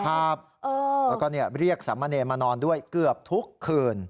แล้วก็เรียกสามเณรมานอนด้วยเกือบทุกคืน